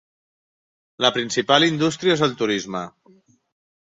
La principal indústria és el turisme.